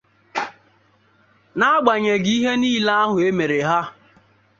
n'agbànyèghị ihe niile ahụ e meere ha